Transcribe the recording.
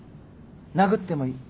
殴ってもいい。